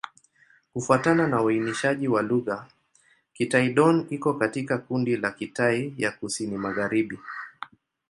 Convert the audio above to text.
Kufuatana na uainishaji wa lugha, Kitai-Dón iko katika kundi la Kitai ya Kusini-Magharibi.